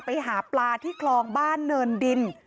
ไปหาปลาที่คลองบ้านเนินดิน